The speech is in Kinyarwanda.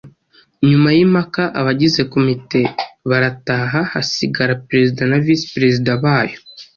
Nyuma y’impaka abagize komite baratahaga hagasigara Perezida na Visi-Perezida bayo